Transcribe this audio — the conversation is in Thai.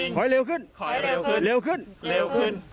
ขอให้เร็วขึ้นขอให้เร็วขึ้นเร็วขึ้นเร็วขึ้น